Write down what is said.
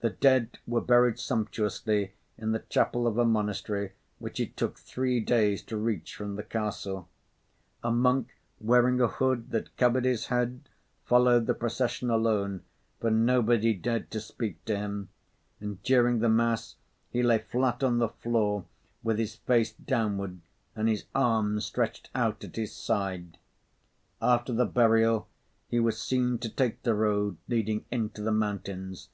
The dead were buried sumptuously in the chapel of a monastery which it took three days to reach from the castle. A monk wearing a hood that covered his head followed the procession alone, for nobody dared to speak to him. And during the mass, he lay flat on the floor with his face downward and his arms stretched out at his sides. After the burial, he was seen to take the road leading into the mountains.